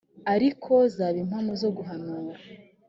ariko zaba impano zo guhanura